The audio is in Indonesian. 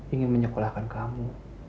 ingin menyekolahkan kamu